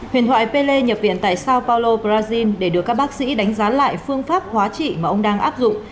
huyền thoại pele nhập viện tại sao paulo brazil để được các bác sĩ đánh giá lại phương pháp hóa trị mà ông đang áp dụng